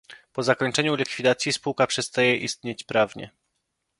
Po zakończeniu likwidacji, spółka przestaje istnieć prawnie.